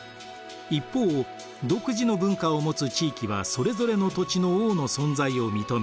一方独自の文化を持つ地域はそれぞれの土地の王の存在を認め